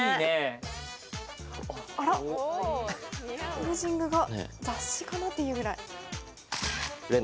ポージングが雑誌かなっていうぐらい。